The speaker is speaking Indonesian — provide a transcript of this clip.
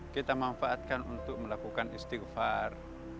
kita manfaatkan untuk melakukan istighfar